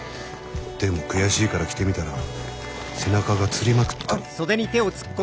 でも悔しいから着てみたら背中がつりまくったり。